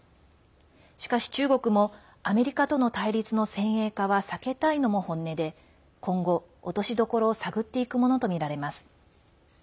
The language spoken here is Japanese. しかし中国もアメリカとの対立の先鋭化は避けたいのも本音で今後、落としどころを探っていくものとみられます。